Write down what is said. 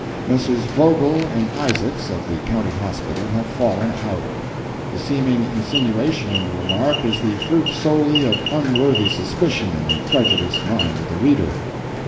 Messrs. Vogel and Isaacs, of the County Hospital, have fallen out. The seeming insinuation in the remark is the fruit solely of unworthy suspicion in the prejudiced mind of the reader.